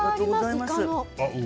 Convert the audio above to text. イカの。